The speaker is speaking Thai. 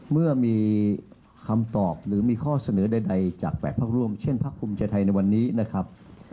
เมื่อมีคำตอบหรือมีข้อเสนอใดจาก๘พักร่วมเช่นพักภูมิใจไทยในวันนี้นะครับ